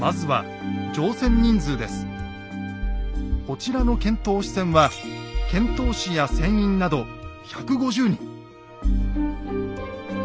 こちらの遣唐使船は遣唐使や船員など１５０人。